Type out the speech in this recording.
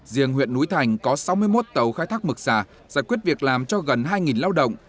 riêng huyện núi thành có sáu mươi một tàu khai thác mực xà giải quyết việc làm cho gần hai lao động